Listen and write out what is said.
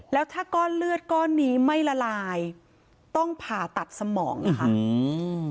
แล้วถ้าก้อนเลือดก้อนนี้ไม่ละลายต้องผ่าตัดสมองนะคะอืม